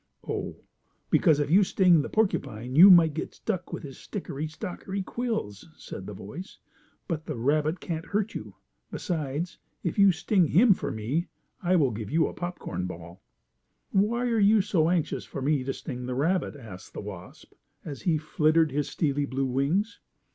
"Oh, because if you sting the porcupine you might get stuck with his stickery stockery quills," said the voice. "But the rabbit can't hurt you. Besides, if you sting him for me I will give you a popcorn ball." "Why are you so anxious for me to sting the rabbit?" asked the wasp, as he flittered his steely blue wings.